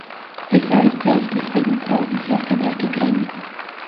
ეს არის დღეისთვის პინკ ფლოიდის ერთადერთი გრემი.